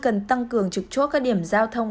cần tăng cường trực chốt các điểm giao thông